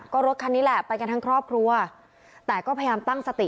ก็รถคันนี้แหละไปกันทั้งครอบครัวแต่ก็พยายามตั้งสติ